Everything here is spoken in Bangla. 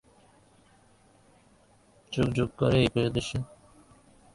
যুগ যুগ ধরে এই একই উদ্দেশ্য নিশ্চিতভাবে কাজ করে চলেছে।